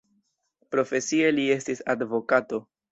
Profesie li estis advokato.